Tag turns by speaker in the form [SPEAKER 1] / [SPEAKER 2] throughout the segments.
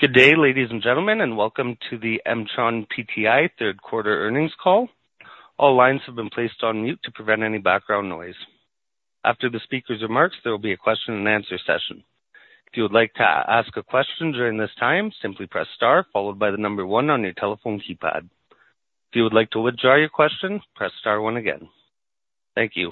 [SPEAKER 1] Good day, ladies and gentlemen, and welcome to the MtronPTI third quarter earnings call. All lines have been placed on mute to prevent any background noise. After the speaker's remarks, there will be a question and answer session. If you would like to ask a question during this time, simply press star, followed by the number one on your telephone keypad. If you would like to withdraw your question, press star one again. Thank you.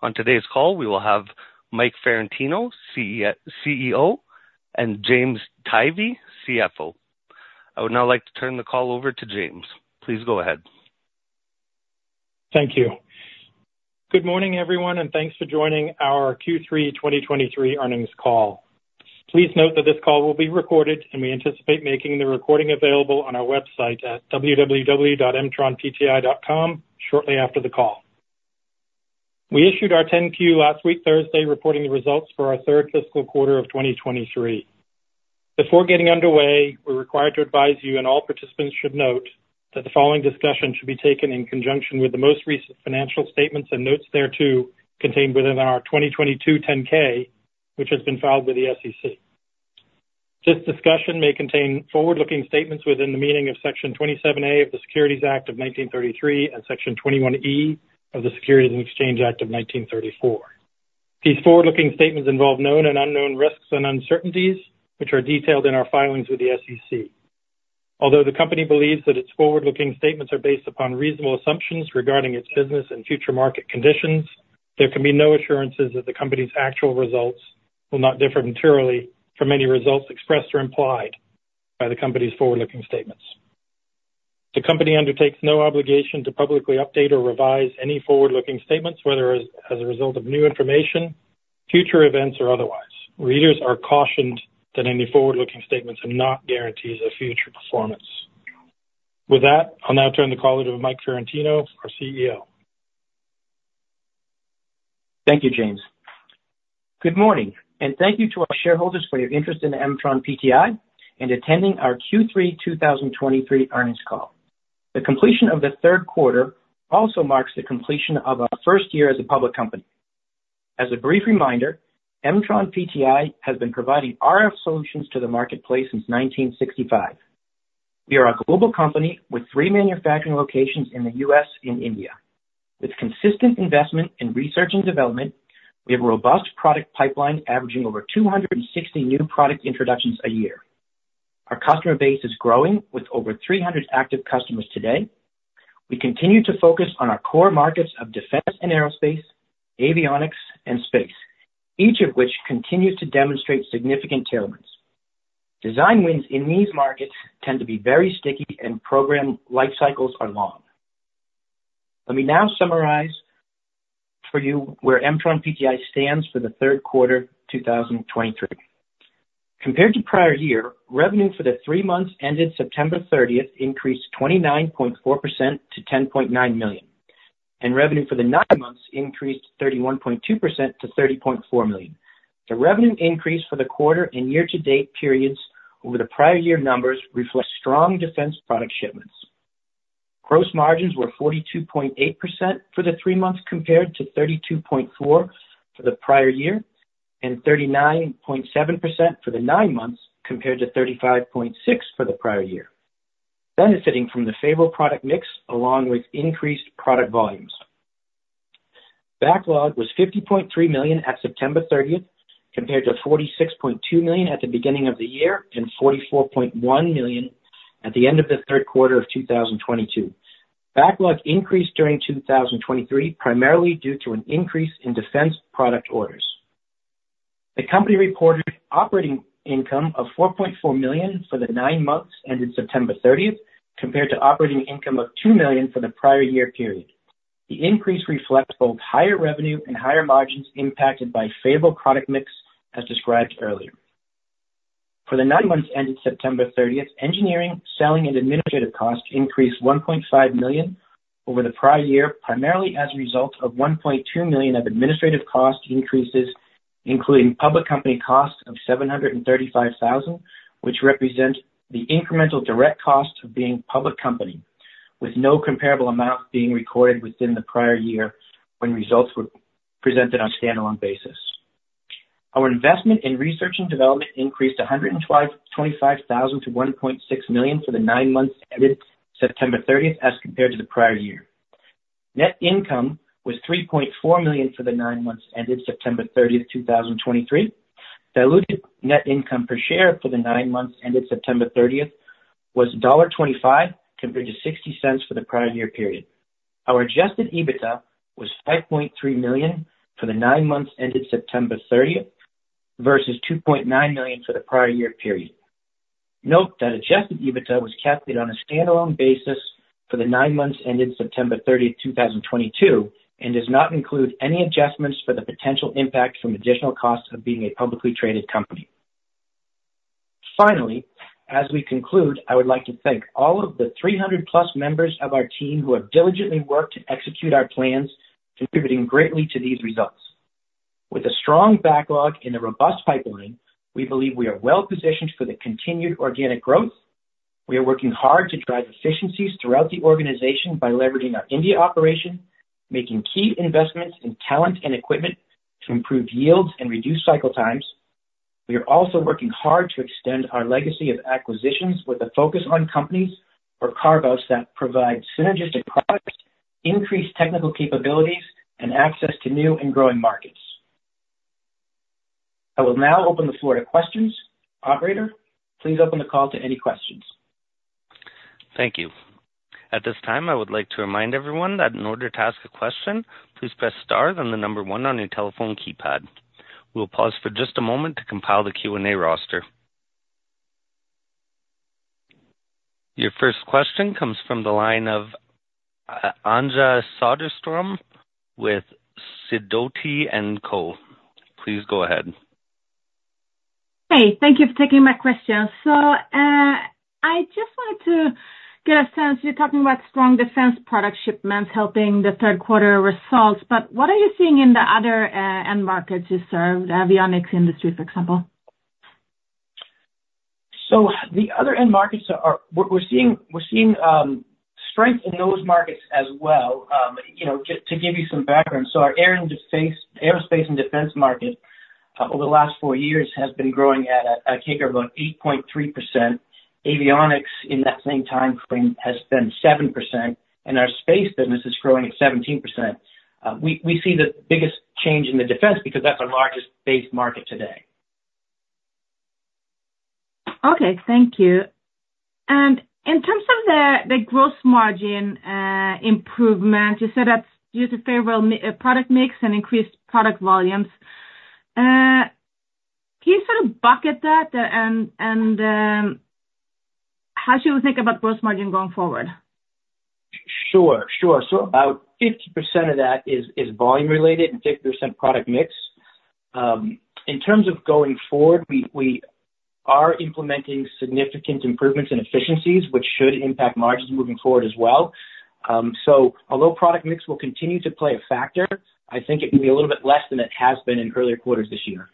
[SPEAKER 1] On today's call, we will have Mike Ferrantino, CEO, and James Tivy, CFO. I would now like to turn the call over to James. Please go ahead.
[SPEAKER 2] Thank you. Good morning, everyone, and thanks for joining our Q3 2023 earnings call. Please note that this call will be recorded, and we anticipate making the recording available on our website at www.mtronpti.com shortly after the call. We issued our 10-Q last week, Thursday, reporting the results for our third fiscal quarter of 2023. Before getting underway, we're required to advise you, and all participants should note, that the following discussion should be taken in conjunction with the most recent financial statements and notes thereto contained within our 2022 10-K, which has been filed with the SEC. This discussion may contain forward-looking statements within the meaning of Section 27A of the Securities Act of 1933 and Section 21E of the Securities and Exchange Act of 1934. These forward-looking statements involve known and unknown risks and uncertainties, which are detailed in our filings with the SEC. Although the company believes that its forward-looking statements are based upon reasonable assumptions regarding its business and future market conditions, there can be no assurances that the company's actual results will not differ materially from any results expressed or implied by the company's forward-looking statements. The company undertakes no obligation to publicly update or revise any forward-looking statements, whether as a result of new information, future events, or otherwise. Readers are cautioned that any forward-looking statements are not guarantees of future performance. With that, I'll now turn the call over to Mike Ferrantino, our CEO.
[SPEAKER 3] Thank you, James. Good morning, and thank you to our shareholders for your interest in MtronPTI and attending our Q3 2023 earnings call. The completion of the third quarter also marks the completion of our first year as a public company. As a brief reminder, MtronPTI has been providing RF solutions to the marketplace since 1965. We are a global company with three manufacturing locations in the U.S. and India. With consistent investment in research and development, we have a robust product pipeline averaging over 260 new product introductions a year. Our customer base is growing with over 300 active customers today. We continue to focus on our core markets of defense and aerospace, avionics and space, each of which continues to demonstrate significant tailwinds. Design wins in these markets tend to be very sticky, and program life cycles are long. Let me now summarize for you where MtronPTI stands for the third quarter, 2023. Compared to prior year, revenue for the three months ended September 30th increased 29.4% to $10.9 million, and revenue for the nine months increased 31.2% to $30.4 million. The revenue increase for the quarter and year-to-date periods over the prior year numbers reflect strong defense product shipments. Gross margins were 42.8% for the three months, compared to 32.4% for the prior year, and 39.7% for the nine months, compared to 35.6% for the prior year. Benefiting from the favorable product mix along with increased product volumes. Backlog was $50.3 million at September 30th, compared to $46.2 million at the beginning of the year and $44.1 million at the end of the third quarter of 2022. Backlog increased during 2023, primarily due to an increase in defense product orders. The company reported operating income of $4.4 million for the nine months ended September 30th, compared to operating income of $2 million for the prior year period. The increase reflects both higher revenue and higher margins impacted by favorable product mix, as described earlier. For the nine months ended September 30th, engineering, selling and administrative costs increased $1.5 million over the prior year, primarily as a result of $1.2 million of administrative cost increases, including public company costs of $735,000, which represent the incremental direct costs of being a public company with no comparable amount being recorded within the prior year when results were presented on a standalone basis. Our investment in research and development increased $125,000 to $1.6 million for the nine months ended September 30th as compared to the prior year. Net income was $3.4 million for the nine months ended September 30th, 2023. Diluted net income per share for the nine months ended September 30th was $0.25, compared to $0.60 for the prior year period. Our adjusted EBITDA was $5.3 million for the nine months ended September 30th versus $2.9 million for the prior year period. Note that adjusted EBITDA was calculated on a standalone basis for the nine months ended September 30th, 2022, and does not include any adjustments for the potential impact from additional costs of being a publicly traded company. Finally, as we conclude, I would like to thank all of the 300+ members of our team who have diligently worked to execute our plans, contributing greatly to these results. With a strong backlog and a robust pipeline, we believe we are well positioned for the continued organic growth... We are working hard to drive efficiencies throughout the organization by leveraging our India operation, making key investments in talent and equipment to improve yields and reduce cycle times. We are also working hard to extend our legacy of acquisitions with a focus on companies or carve-outs that provide synergistic products, increased technical capabilities, and access to new and growing markets. I will now open the floor to questions. Operator, please open the call to any questions.
[SPEAKER 1] Thank you. At this time, I would like to remind everyone that in order to ask a question, please press star then the number one on your telephone keypad. We'll pause for just a moment to compile the Q&A roster. Your first question comes from the line of Anja Soderstrom with Sidoti & Co. Please go ahead.
[SPEAKER 4] Hey, thank you for taking my question. So, I just wanted to get a sense. You're talking about strong defense product shipments helping the third quarter results, but what are you seeing in the other, end markets you serve, the avionics industry, for example?
[SPEAKER 3] So the other end markets are -- we're seeing strength in those markets as well. You know, to give you some background, so our air and defense, aerospace and defense market, over the last four years has been growing at a CAGR of about 8.3%. Avionics in that same timeframe has been 7%, and our space business is growing at 17%. We see the biggest change in the defense because that's our largest base market today.
[SPEAKER 4] Okay, thank you. And in terms of the gross margin improvement, you said that's due to favorable product mix and increased product volumes. Can you sort of bucket that, and how should we think about gross margin going forward?
[SPEAKER 3] Sure, sure. So about 50% of that is volume related and 50% product mix. In terms of going forward, we are implementing significant improvements in efficiencies, which should impact margins moving forward as well. So although product mix will continue to play a factor, I think it will be a little bit less than it has been in earlier quarters this year.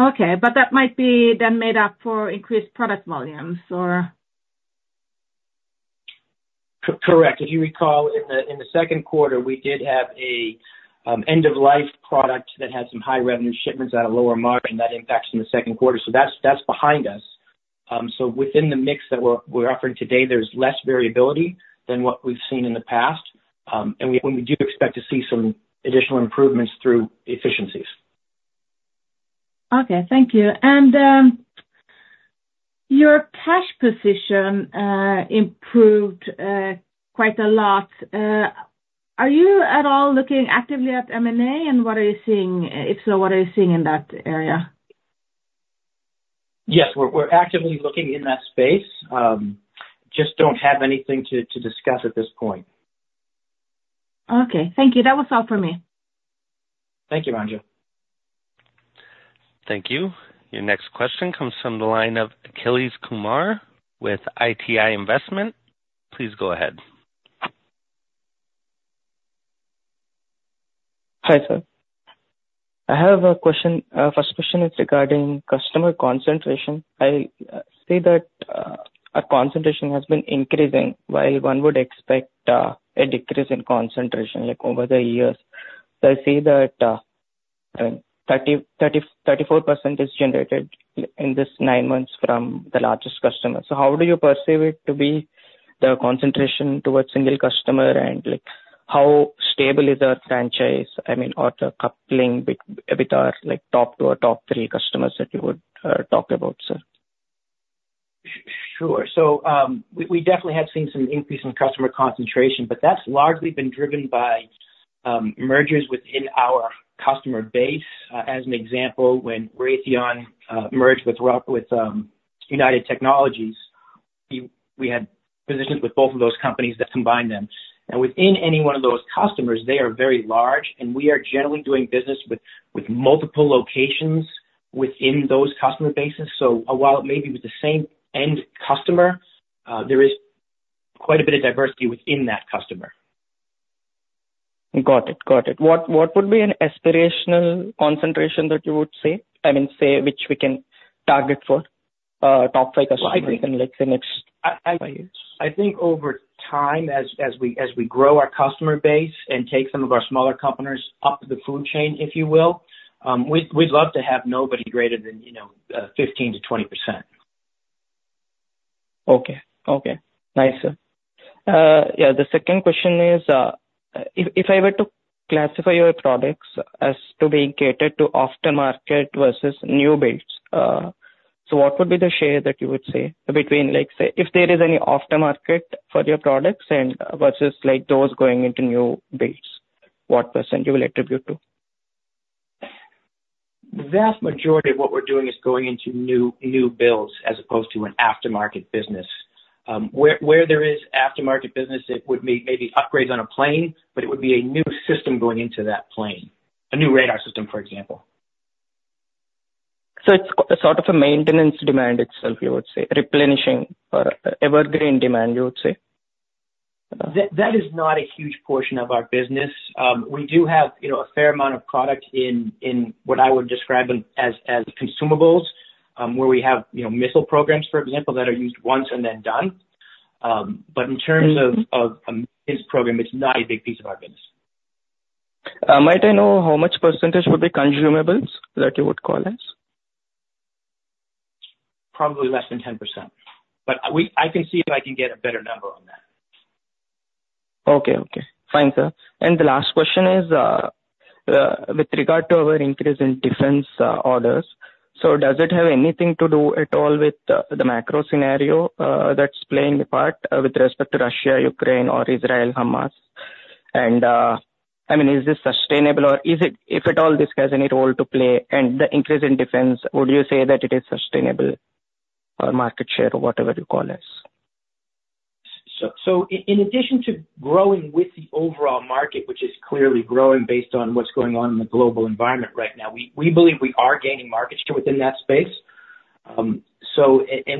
[SPEAKER 4] Okay, but that might be then made up for increased product volumes, or?
[SPEAKER 3] Correct. If you recall, in the second quarter, we did have a end-of-life product that had some high revenue shipments at a lower margin. That impacts in the second quarter, so that's behind us. So within the mix that we're offering today, there's less variability than what we've seen in the past. And we do expect to see some additional improvements through efficiencies.
[SPEAKER 4] Okay. Thank you. And your cash position improved quite a lot. Are you at all looking actively at M&A, and what are you seeing? If so, what are you seeing in that area?
[SPEAKER 3] Yes, we're actively looking in that space. Just don't have anything to discuss at this point.
[SPEAKER 4] Okay. Thank you. That was all for me.
[SPEAKER 3] Thank you, Anja.
[SPEAKER 1] Thank you. Your next question comes from the line of Akhil Kumar with ITI Investment. Please go ahead.
[SPEAKER 5] Hi, sir. I have a question. First question is regarding customer concentration. I see that our concentration has been increasing, while one would expect a decrease in concentration, like, over the years. So I see that 34% is generated in this 9 months from the largest customer. So how do you perceive it to be, the concentration towards single customer, and, like, how stable is our franchise, I mean, or the coupling with our, like, top two or top three customers that you would talk about, sir?
[SPEAKER 3] Sure. So, we definitely have seen some increase in customer concentration, but that's largely been driven by mergers within our customer base. As an example, when Raytheon merged with United Technologies, we had positions with both of those companies that combined them. And within any one of those customers, they are very large, and we are generally doing business with multiple locations within those customer bases. So while it may be with the same end customer, there is quite a bit of diversity within that customer.
[SPEAKER 5] Got it. Got it. What, what would be an aspirational concentration that you would say, I mean, say, which we can target for top five customers in, like, the next five years?
[SPEAKER 3] I think over time, as we grow our customer base and take some of our smaller companies up the food chain, if you will, we'd love to have nobody greater than, you know, 15%-20%.
[SPEAKER 5] Okay. Okay, nice, sir. Yeah, the second question is, if I were to classify your products as to being catered to aftermarket versus new builds, so what would be the share that you would say between, like, say, if there is any aftermarket for your products and versus, like, those going into new builds, what percent you will attribute to?
[SPEAKER 3] The vast majority of what we're doing is going into new, new builds as opposed to an aftermarket business. Where, where there is aftermarket business, it would be maybe upgrades on a plane, but it would be a new system going into that plane, a new radar system, for example.
[SPEAKER 5] So it's sort of a maintenance demand itself, you would say, replenishing or evergreen demand, you would say?...
[SPEAKER 3] That is not a huge portion of our business. We do have, you know, a fair amount of product in what I would describe as consumables, where we have, you know, missile programs, for example, that are used once and then done. But in terms of this program, it's not a big piece of our business.
[SPEAKER 5] Might I know how much percentage would be consumables that you would call as?
[SPEAKER 3] Probably less than 10%, but we- I can see if I can get a better number on that.
[SPEAKER 5] Okay. Okay, fine, sir. And the last question is, with regard to our increase in defense orders, so does it have anything to do at all with the macro scenario that's playing a part with respect to Russia, Ukraine or Israel, Hamas? And, I mean, is this sustainable or is it - if at all, this has any role to play and the increase in defense, would you say that it is sustainable or market share or whatever you call this?
[SPEAKER 3] So, in addition to growing with the overall market, which is clearly growing based on what's going on in the global environment right now, we believe we are gaining market share within that space. And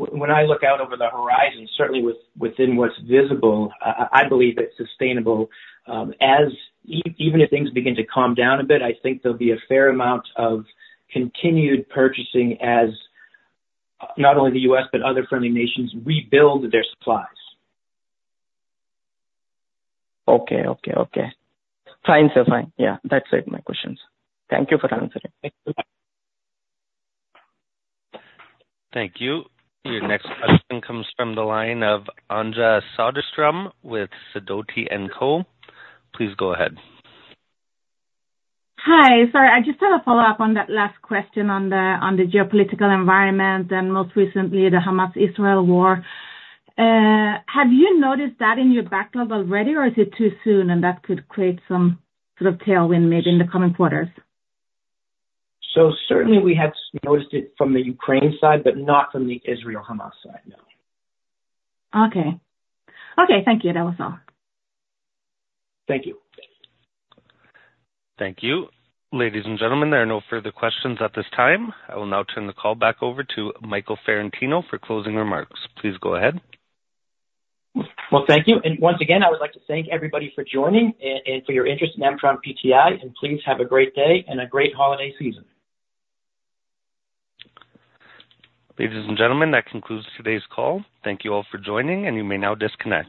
[SPEAKER 3] when I look out over the horizon, certainly within what's visible, I believe it's sustainable. Even if things begin to calm down a bit, I think there'll be a fair amount of continued purchasing as not only the U.S., but other friendly nations rebuild their supplies.
[SPEAKER 5] Okay. Okay. Okay. Fine, sir. Fine. Yeah, that's it. My questions. Thank you for answering.
[SPEAKER 1] Thank you. Your next question comes from the line of Anja Soderstrom with Sidoti & Co. Please go ahead.
[SPEAKER 4] Hi. Sorry, I just had a follow-up on that last question on the geopolitical environment and most recently, the Hamas-Israel war. Have you noticed that in your backlog already, or is it too soon and that could create some sort of tailwind maybe in the coming quarters?
[SPEAKER 3] Certainly we have noticed it from the Ukraine side, but not from the Israel-Hamas side, no.
[SPEAKER 4] Okay. Okay, thank you. That was all.
[SPEAKER 3] Thank you.
[SPEAKER 1] Thank you. Ladies and gentlemen, there are no further questions at this time. I will now turn the call back over to Michael Ferrantino for closing remarks. Please go ahead.
[SPEAKER 3] Well, thank you. Once again, I would like to thank everybody for joining and for your interest in MtronPTI, and please have a great day and a great holiday season.
[SPEAKER 1] Ladies and gentlemen, that concludes today's call. Thank you all for joining, and you may now disconnect.